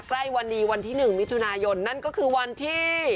ใกล้วันดีวันที่๑มิถุนายนนั่นก็คือวันที่